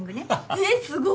えすごい！